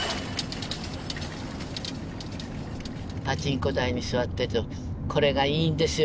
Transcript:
パチンコ台に座ってるとこれがいいんですよ